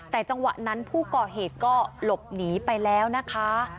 แต่จังหวะนั้นผู้ก่อเหตุก็หลบหนีไปแล้วนะคะ